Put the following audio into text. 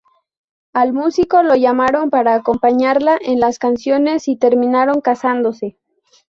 Al músico lo llamaron para acompañarla en las canciones y terminaron casándose.